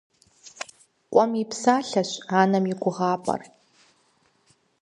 Къуэм и псалъэщ анэм и гугъапӏэр.